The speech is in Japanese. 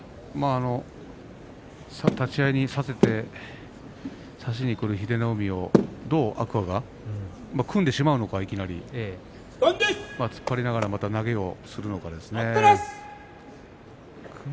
立ち合いに差せて差しにくる英乃海をどう天空海が組んでしまうのか、いきなり突っ張りながら投げ打つのかですね。